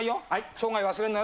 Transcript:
生涯忘れんなよ